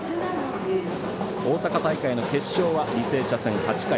大阪大会の決勝は履正社戦８回